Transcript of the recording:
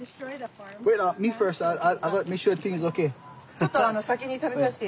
ちょっと先に食べさせて。